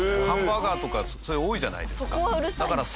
ハンバーガーとかそういう多いじゃないですか。